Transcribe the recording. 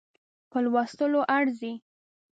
په لوستلو ارزي.